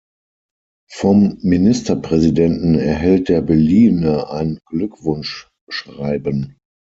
Vom Ministerpräsidenten erhält der Beliehene ein Glückwunschschreiben.